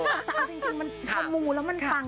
เอาจริงมันขมูแล้วมันปัง